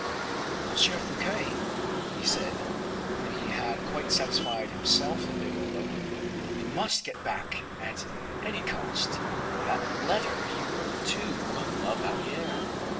"Monsieur Fouquet," he said, when he had quite satisfied himself that they were alone, "we must get back, at any cost, that letter you wrote to La Valliere."